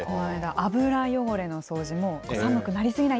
油汚れの掃除も、もう寒くなり過ぎない